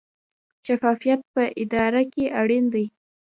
شفافیت په اداره کې اړین دی